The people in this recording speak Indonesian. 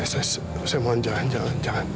saya saya saya mohon jangan jangan jangan